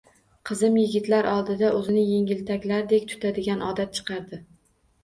Qizim yigitlar oldida o`zini engiltaklardek tutadigan odat chiqardi